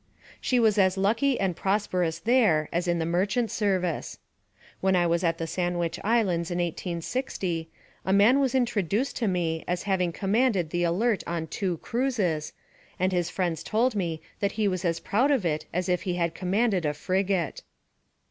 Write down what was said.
She was as lucky and prosperous there as in the merchant service. When I was at the Sandwich Islands in 1860, a man was introduced to me as having commanded the Alert on two cruises, and his friends told me that he was as proud of it as if he had commanded a frigate.